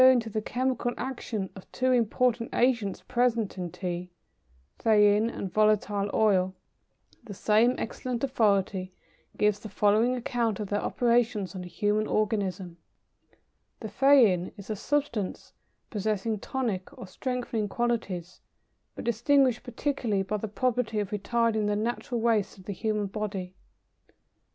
] Anon, referring to the chemical action of two important agents present in Tea theine and volatile oil the same excellent authority gives the following account of their operations on the human organism: "The theine is a substance possessing tonic or strengthening qualities, but distinguished particularly by the property of retarding the natural waste of the animal body.